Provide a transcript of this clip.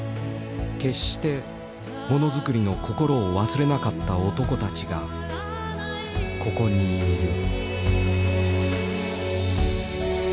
決して物作りの心を忘れなかった男たちがここにいる。